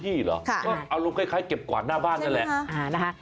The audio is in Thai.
เคลียร์พื้นที่เหรอเอาลงคล้ายเก็บกวาดหน้าบ้านนั่นแหละ